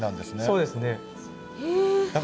そうですね。